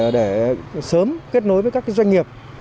để sớm kết nối với các doanh nghiệp